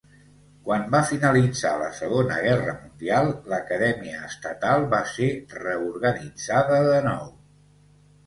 Quan va finalitzar la Segona Guerra Mundial, l'Acadèmia Estatal va ser reorganitzada de nou.